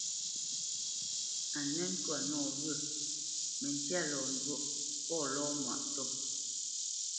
Mə nə́ ntwâ nɔwyə̂, məntya lɔ njwóʼ pô lɔ mâʼ ntɔ̂.